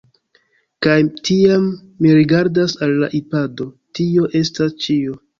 Kaj, tiam, mi rigardas al la ipado: tio estas ĉio.